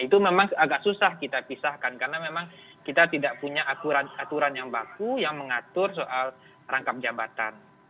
itu memang agak susah kita pisahkan karena memang kita tidak punya aturan aturan yang baku yang mengatur soal rangkap jabatan